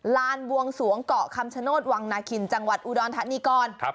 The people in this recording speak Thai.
ลานบวงสวงเกาะคำชโนธวังนาคินจังหวัดอุดรธานีก่อน